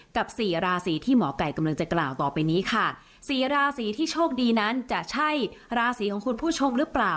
สี่ราศีที่หมอไก่กำลังจะกล่าวต่อไปนี้ค่ะสี่ราศีที่โชคดีนั้นจะใช่ราศีของคุณผู้ชมหรือเปล่า